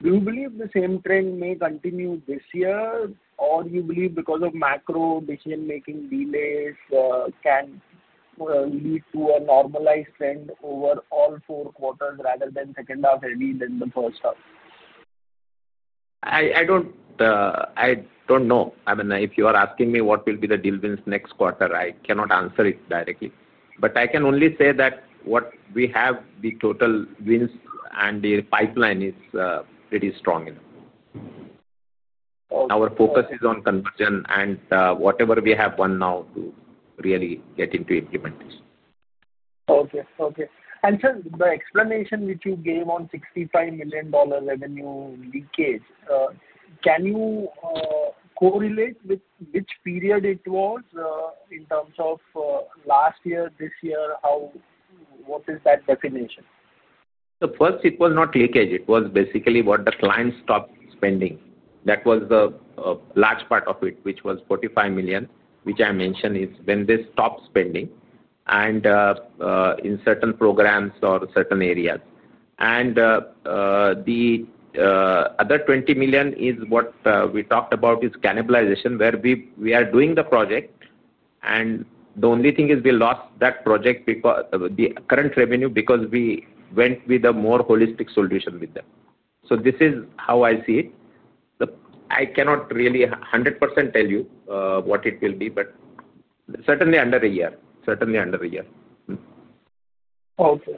Do you believe the same trend may continue this year, or do you believe because of macro decision-making delays can lead to a normalized trend over all four quarters rather than second half heavier than the first half? I don't know. I mean, if you are asking me what will be the deal wins next quarter, I cannot answer it directly. I can only say that what we have, the total wins and the pipeline is pretty strong enough. Our focus is on conversion and whatever we have done now to really get into implementation. Okay. Okay. Sir, the explanation which you gave on $65 million revenue leakage, can you correlate with which period it was in terms of last year, this year? What is that definition? First, it was not leakage. It was basically what the clients stopped spending. That was the large part of it, which was $45 million, which I mentioned is when they stopped spending in certain programs or certain areas. The other $20 million is what we talked about as cannibalization, where we are doing the project, and the only thing is we lost that project because the current revenue, because we went with a more holistic solution with them. This is how I see it. I cannot really 100% tell you what it will be, but certainly under a year. Certainly under a year. Okay.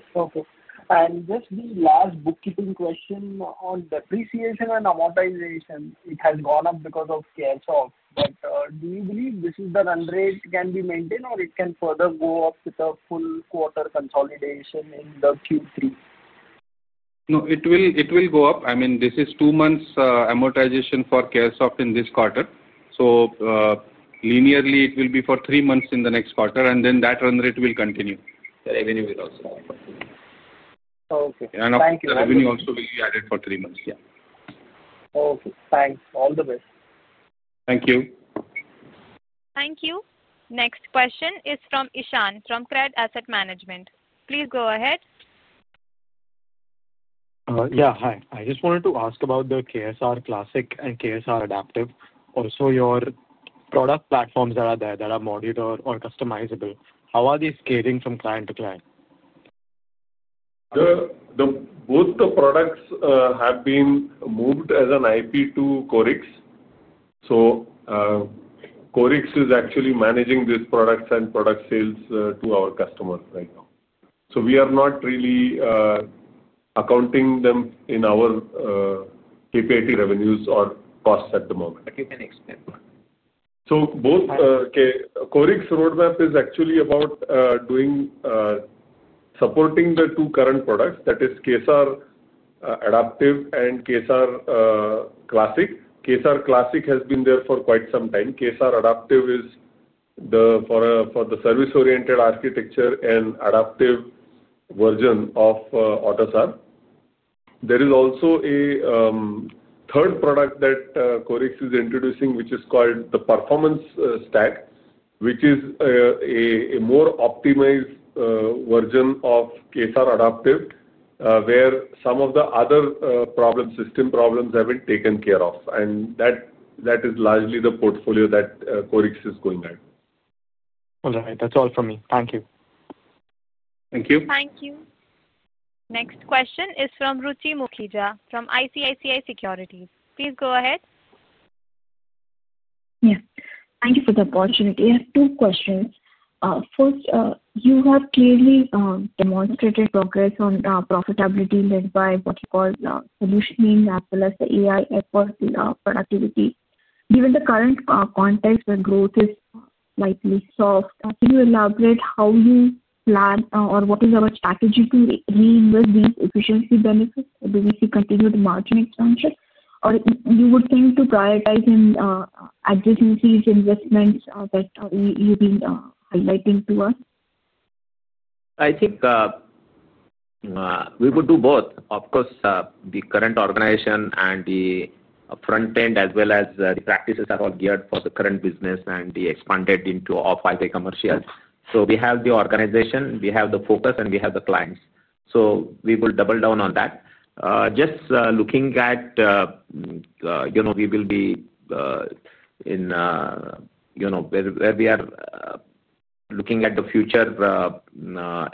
Okay. Just the last bookkeeping question on depreciation and amortization. It has gone up because of Caresoft. Do you believe this run rate can be maintained, or can it further go up with the full quarter consolidation in Q3? No, it will go up. I mean, this is two months amortization for Caresoft in this quarter. So linearly, it will be for three months in the next quarter, and then that run rate will continue. The revenue will also be continued. Okay. Thank you. The revenue also will be added for three months. Yeah. Okay. Thanks. All the best. Thank you. Thank you. Next question is from Ishan from Crowd Asset Management. Please go ahead. Yeah. Hi. I just wanted to ask about the KSAR Classic and KSAR Adaptive. Also, your product platforms that are there, that are modular or customizable, how are they scaling from client to client? Both the products have been moved as an IP to Qorix. Qorix is actually managing these products and product sales to our customers right now. We are not really accounting them in our KPIT revenues or costs at the moment. You can explain why. Both Qorix roadmap is actually about supporting the two current products. That is KSAR Adaptive and KSAR Classic. KSAR Classic has been there for quite some time. KSAR Adaptive is for the service-oriented architecture and adaptive version of AutoSAR. There is also a third product that Qorix is introducing, which is called the Performance Stack, which is a more optimized version of KSAR Adaptive, where some of the other system problems have been taken care of. That is largely the portfolio that Qorix is going at. All right. That's all from me. Thank you. Thank you. Thank you. Next question is from Ruchi Mukhija from ICICI Securities. Please go ahead. Yes. Thank you for the opportunity. I have two questions. First, you have clearly demonstrated progress on profitability led by what you call solutioning as well as the AI effort productivity. Given the current context where growth is slightly soft, can you elaborate how you plan or what is our strategy to reinvest these efficiency benefits? Do we see continued margin expansion, or you would think to prioritize in addressing these investments that you've been highlighting to us? I think we would do both. Of course, the current organization and the front end as well as the practices are all geared for the current business and the expanded into off-white commercial. We have the organization, we have the focus, and we have the clients. We will double down on that. Just looking at we will be in where we are looking at the future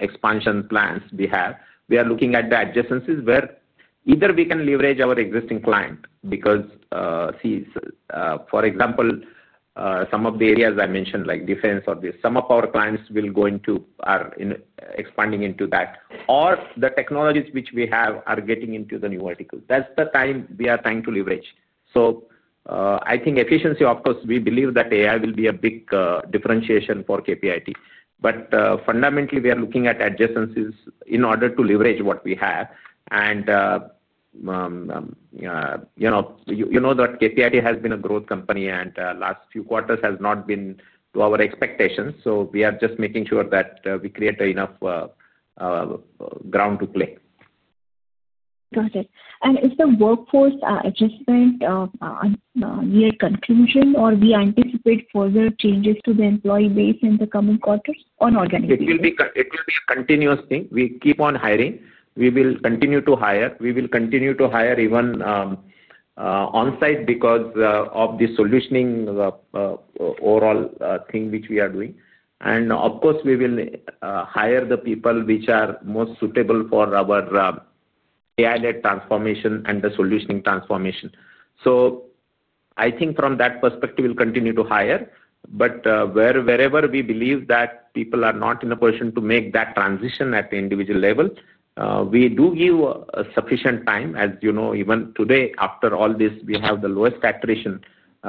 expansion plans we have. We are looking at the adjacencies where either we can leverage our existing client because, see, for example, some of the areas I mentioned, like defense or this, some of our clients will go into are expanding into that, or the technologies which we have are getting into the new vertical. That is the time we are trying to leverage. I think efficiency, of course, we believe that AI will be a big differentiation for KPIT. Fundamentally, we are looking at adjacencies in order to leverage what we have. You know that KPIT has been a growth company, and last few quarters has not been to our expectations. We are just making sure that we create enough ground to play. Got it. Is the workforce adjustment near conclusion, or do we anticipate further changes to the employee base in the coming quarters or not yet? It will be a continuous thing. We keep on hiring. We will continue to hire. We will continue to hire even on-site because of the solutioning overall thing which we are doing. Of course, we will hire the people which are most suitable for our AI-led transformation and the solutioning transformation. I think from that perspective, we'll continue to hire. Wherever we believe that people are not in a position to make that transition at the individual level, we do give sufficient time. As you know, even today, after all this, we have the lowest accuracy.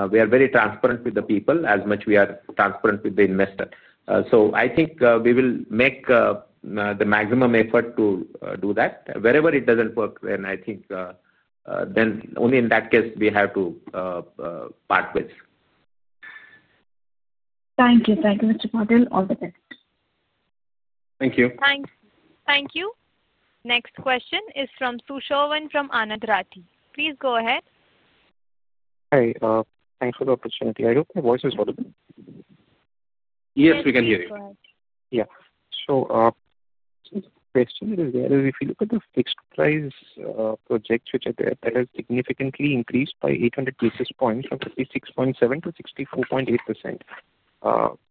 We are very transparent with the people as much as we are transparent with the investor. I think we will make the maximum effort to do that. Wherever it does not work, then I think then only in that case we have to part ways. Thank you. Thank you, Mr. Patil. All the best. Thank you. Thank you. Next question is from Sushovan from Anand Rathi. Please go ahead. Hi. Thanks for the opportunity. I hope my voice is audible. Yes, we can hear you. Yeah. So the question is, if you look at the fixed price projects, which are there that have significantly increased by 800 basis points from 56.7% to 64.8%,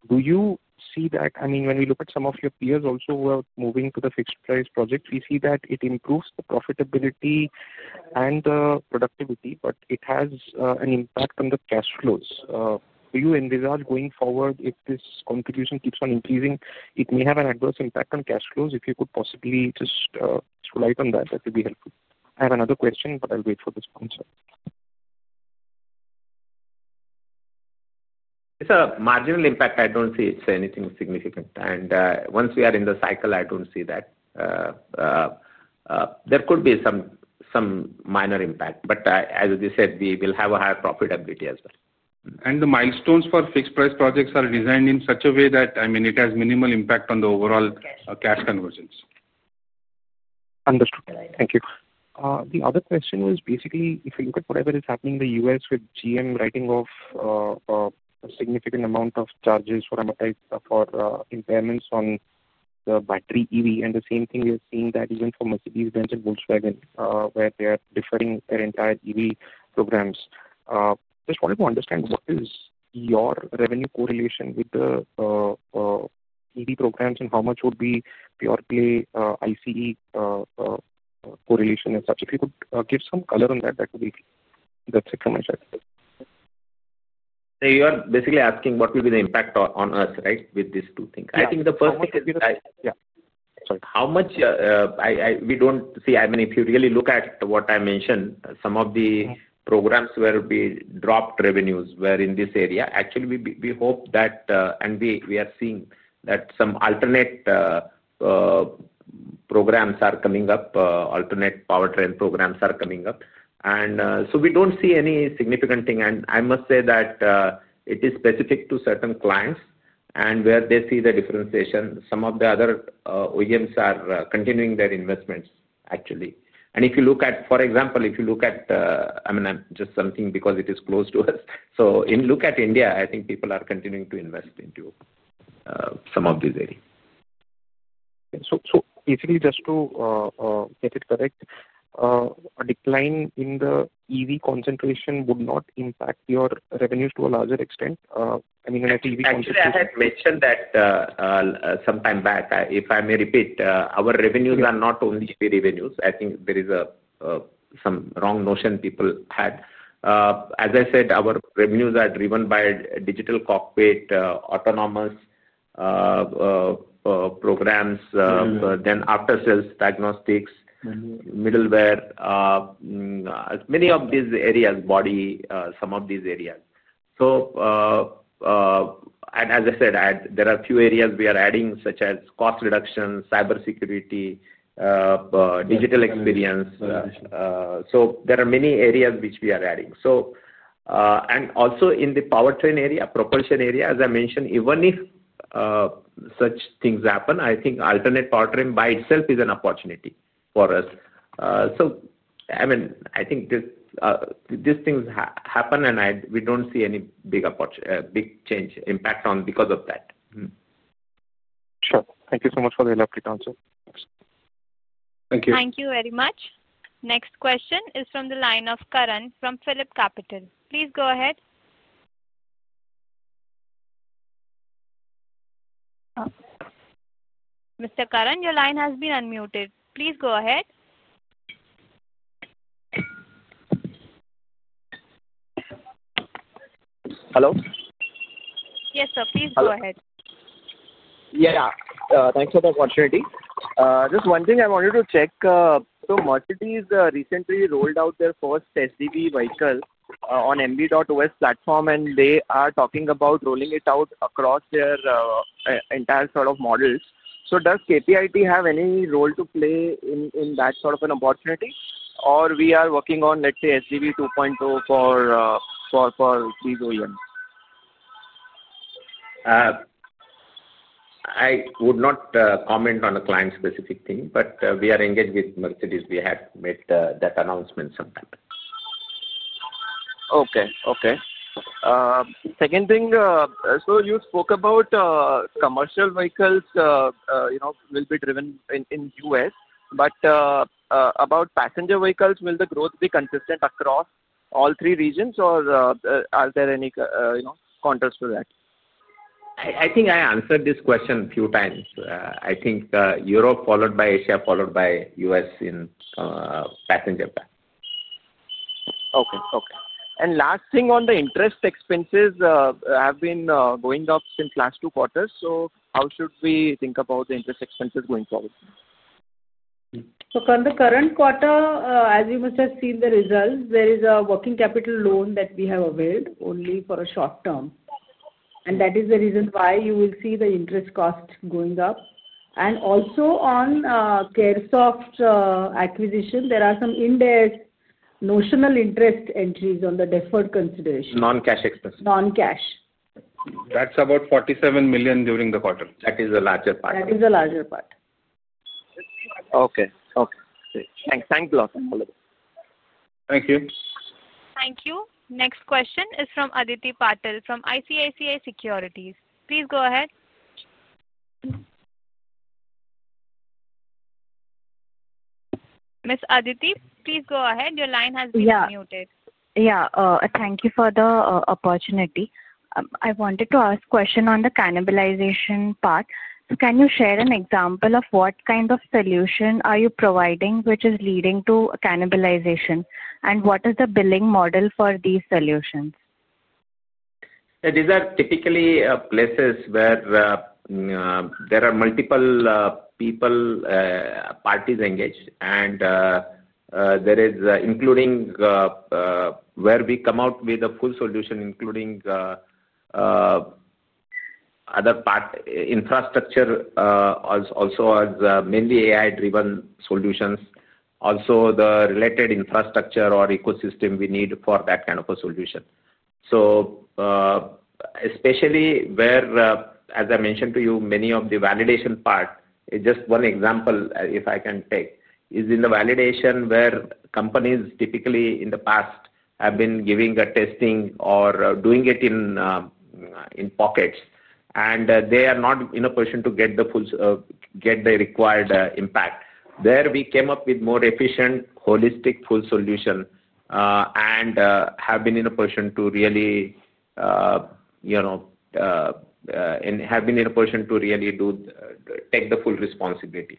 do you see that? I mean, when we look at some of your peers also who are moving to the fixed price projects, we see that it improves the profitability and the productivity, but it has an impact on the cash flows. Do you envisage going forward, if this contribution keeps on increasing, it may have an adverse impact on cash flows? If you could possibly just highlight on that, that would be helpful. I have another question, but I'll wait for the sponsor. It's a marginal impact. I don't see it's anything significant. Once we are in the cycle, I don't see that. There could be some minor impact, but as you said, we will have a higher profitability as well. The milestones for fixed price projects are designed in such a way that, I mean, it has minimal impact on the overall cash conversions. Understood. Thank you. The other question was basically, if you look at whatever is happening in the U.S. with GM writing off a significant amount of charges for impairments on the battery EV, and the same thing we are seeing that even for Mercedes-Benz and Volkswagen, where they are deferring their entire EV programs. Just wanted to understand what is your revenue correlation with the EV programs and how much would be pure play ICE correlation and such. If you could give some color on that, that would be great. That's it from my side. You are basically asking what will be the impact on us, right, with these two things? I think the first thing is that. Yeah. Sorry. How much we do not see, I mean, if you really look at what I mentioned, some of the programs where we dropped revenues were in this area. Actually, we hope that, and we are seeing that, some alternate programs are coming up, alternate powertrain programs are coming up. We do not see any significant thing. I must say that it is specific to certain clients, and where they see the differentiation, some of the other OEMs are continuing their investments, actually. If you look at, for example, if you look at, I mean, just something because it is close to us, look at India. I think people are continuing to invest into some of these areas. Okay. So basically, just to get it correct, a decline in the EV concentration would not impact your revenues to a larger extent? I mean, an EV concentration. I think I had mentioned that sometime back. If I may repeat, our revenues are not only EV revenues. I think there is some wrong notion people had. As I said, our revenues are driven by digital cockpit, autonomous programs, then after-sales diagnostics, middleware, many of these areas, body, some of these areas. As I said, there are a few areas we are adding, such as cost reduction, cybersecurity, digital experience. There are many areas which we are adding. Also in the powertrain area, propulsion area, as I mentioned, even if such things happen, I think alternate powertrain by itself is an opportunity for us. I mean, I think these things happen, and we do not see any big change, impact on because of that. Sure. Thank you so much for the elaborate answer. Thank you. Thank you very much. Next question is from the line of Karan from Philip Capital. Please go ahead. Mr. Karan, your line has been unmuted. Please go ahead. Hello? Yes, sir. Please go ahead. Yeah. Thanks for the opportunity. Just one thing I wanted to check. Mercedes recently rolled out their first SDV vehicle on MB.OS platform, and they are talking about rolling it out across their entire sort of models. Does KPIT have any role to play in that sort of an opportunity, or are we working on, let's say, SDV 2.0 for these OEMs? I would not comment on a client-specific thing, but we are engaged with Mercedes. We had made that announcement some time. Okay. Okay. Second thing, so you spoke about commercial vehicles will be driven in the U.S., but about passenger vehicles, will the growth be consistent across all three regions, or are there any counters to that? I think I answered this question a few times. I think Europe followed by Asia, followed by US in passenger car. Okay. Okay. Last thing, on the interest expenses have been going up since the last two quarters. How should we think about the interest expenses going forward? For the current quarter, as you must have seen the results, there is a working capital loan that we have availed only for a short term. That is the reason why you will see the interest cost going up. Also, on Caresoft acquisition, there are some in-depth notional interest entries on the deferred consideration. Non-cash expenses. Non-cash. That's about $47 million during the quarter. That is the larger part. That is the larger part. Okay. Okay. Thanks. Thanks a lot. Thank you. Thank you. Next question is from Aditi Patil from ICICI Securities. Please go ahead. Ms. Aditi, please go ahead. Your line has been unmuted. Yeah. Thank you for the opportunity. I wanted to ask a question on the cannibalization part. Can you share an example of what kind of solution are you providing which is leading to cannibalization, and what is the billing model for these solutions? These are typically places where there are multiple people, parties engaged, and there is including where we come out with a full solution, including other infrastructure also as mainly AI-driven solutions. Also, the related infrastructure or ecosystem we need for that kind of a solution. Especially where, as I mentioned to you, many of the validation part, just one example if I can take is in the validation where companies typically in the past have been giving a testing or doing it in pockets, and they are not in a position to get the required impact. There we came up with more efficient, holistic full solution and have been in a position to really take the full responsibility.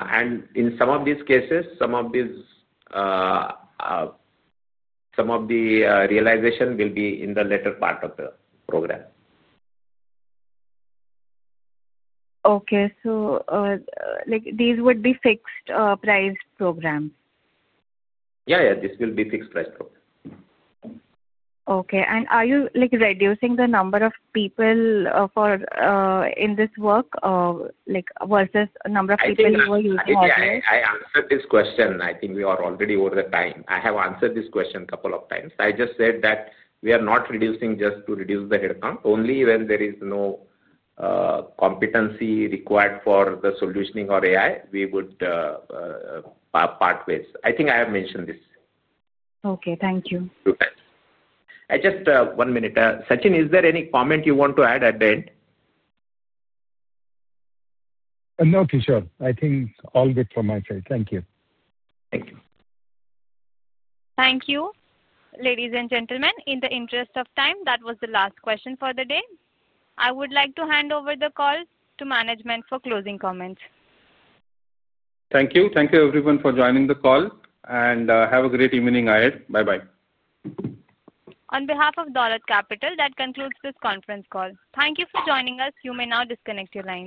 In some of these cases, some of the realization will be in the later part of the program. Okay. So these would be fixed-priced programs? Yeah. Yeah. This will be fixed-price program. Okay. Are you reducing the number of people in this work versus the number of people who are using AI? I answered this question. I think we are already over the time. I have answered this question a couple of times. I just said that we are not reducing just to reduce the headcount. Only when there is no competency required for the solutioning or AI, we would part ways. I think I have mentioned this. Okay. Thank you. Two times. Just one minute. Sachin, is there any comment you want to add at the end? No, Kishor. I think all good from my side. Thank you. Thank you. Thank you, ladies and gentlemen. In the interest of time, that was the last question for the day. I would like to hand over the call to management for closing comments. Thank you. Thank you, everyone, for joining the call. Have a great evening, Ayed. Bye-bye. On behalf of Dolat Capital, that concludes this conference call. Thank you for joining us. You may now disconnect your lines.